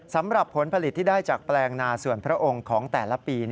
สำหรับผลผลิตที่ได้จากแปลงนาส่วนพระองค์ของแต่ละปี